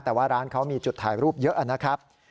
แต่ว่าร้านเขามีจุดถ่ายรูปเยอะนะครับ